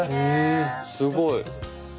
すごい。